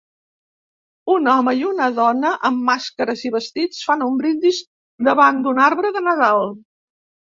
Un home i una dona amb màscares i vestits fan un brindis davant d'un arbre de Nadal.